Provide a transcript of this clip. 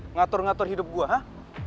ngatur ngatur hidup gue hah